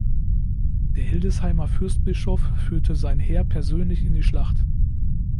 Der Hildesheimer Fürstbischof führte sein Heer persönlich in die Schlacht.